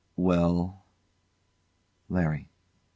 Well? LARRY.